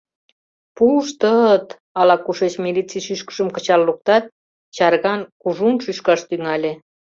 Пуштыт! — ала-кушеч милиций шӱшкышым кычал луктат, чарган, кужун шӱшкаш тӱҥале.